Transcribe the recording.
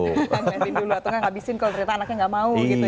ngeliatin dulu atau nggak ngabisin kalau ternyata anaknya nggak mau gitu ya